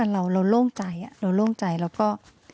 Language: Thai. เราโล่งใจแล้วก็